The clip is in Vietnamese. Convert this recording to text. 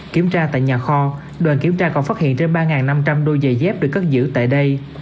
kiểm tra tại nhà kho đoàn kiểm tra còn phát hiện trên ba năm trăm linh đôi giày dép được cất giữ tại đây